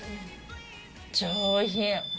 上品。